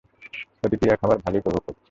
অতিথিরা খাবার ভালোই উপভোগ করছে।